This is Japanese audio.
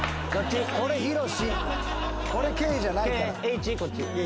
これＫじゃないから。